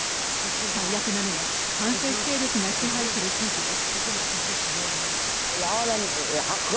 最悪なのが反政府勢力が支配する地域です。